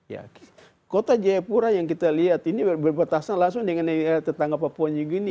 ya kota jayapura yang kita lihat ini berbatasan langsung dengan negara tetangga papuanya gini